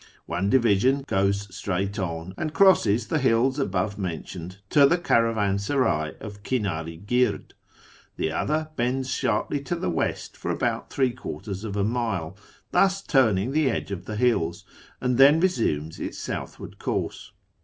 One division goes strait^^lii on ami crosses the hills above mentioned to the caravansaray of Kin;'ir i gird ; the other bends sharply to tlie west for about tliree quarters of a mile, thus turning the edge of the hills, and then resumes its southward course.